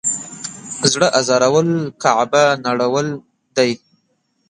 زړه ازارول کعبه نړول دی.